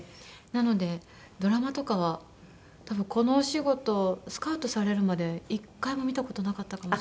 なのでドラマとかは多分このお仕事スカウトされるまで１回も見た事なかったかもしれないです。